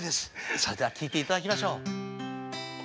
それでは聴いていただきましょう。